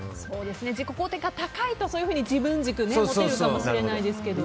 自己肯定感が高いとそういうふうに自分軸が持てるかもしれないですけど。